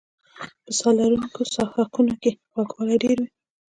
په ساه لرونکو څښاکونو کې خوږوالی ډېر وي.